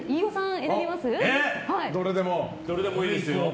どれでもいいですよ。